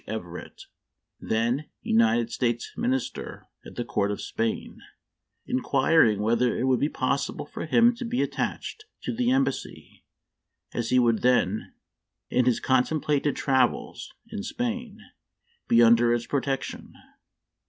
Everett, then United States Min ister at the Court of Spain, inquiring whether it would be possible for him to be attached to the embassy, as he would then, in his contem plated travels in Spain, be under its protection.